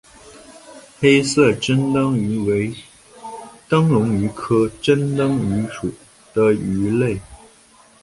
黑色珍灯鱼为灯笼鱼科珍灯鱼属的鱼类。